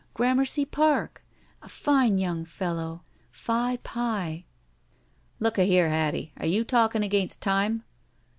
Gram ercy Park. A fine young fellow — ^Phi Pi —'* "Looka here, Hattie, are you talking against time?"